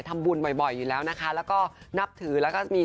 แต่ถ้ารู้สึกว่าปลอดภัยรู้สึกว่าโอเคอะไรที่มันไม่ดีอ่ะ